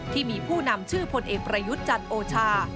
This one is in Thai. ที่มีผู้นำชื่อพลเอกประยุทธ์จันทร์โอชา